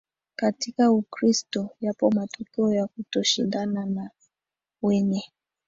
katika Ukristo yapo mapokeo ya kutoshindana na wenye